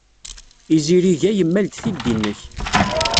Izirig-a yemmal-d tiddi-nnek.